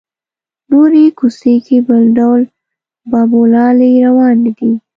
نورې کوڅې کې بل ډول بابولالې روانې دي.